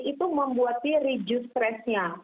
itu membuat dia reduce stresnya